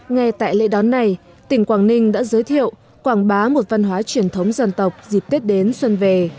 ngay tại lễ đón này tỉnh quảng ninh đã giới thiệu quảng bá một văn hóa truyền thống dân tộc dịp tết đến xuân về